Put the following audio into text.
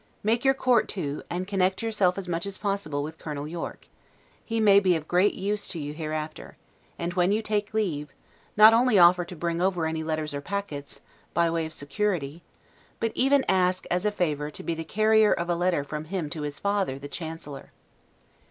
Make your court to, and connect yourself as much as possible with Colonel Yorke; he may be of great use to you hereafter; and when you take leave, not only offer to bring over any letters or packets, by way of security; but even ask, as a favor, to be the carrier of a letter from him to his father, the Chancellor.